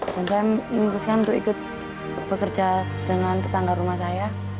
dan saya memimpuskan untuk ikut bekerja dengan tetangga rumah saya